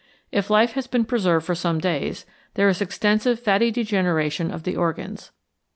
If life has been preserved for some days, there is extensive fatty degeneration of the organs.